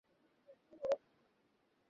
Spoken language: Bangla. ঐ সময়টাতে আমি যাই না।